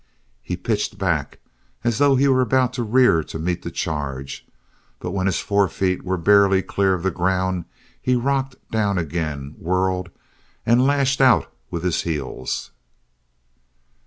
He pitched back, as though he were about to rear to meet the charge, but when his fore feet were barely clear of the ground he rocked down again, whirled, and lashed out with his heels.